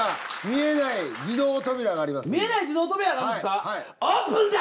見えない自動扉があるんですか？